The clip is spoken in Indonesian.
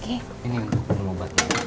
ini untuk obatnya